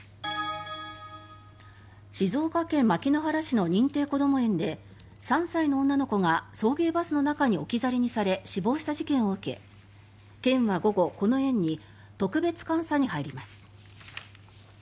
静岡県牧之原市の認定こども園で３歳の女の子が送迎バスの中に置き去りにされ死亡した事件で県は午後、この園に特別監査に入ります。